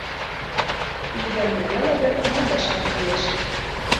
— Ик гана веле гын, мондашат лиеш.